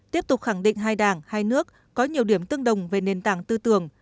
tiếp tục khẳng định hai đảng hai nước có nhiều điểm tương đồng về nền tảng tư tưởng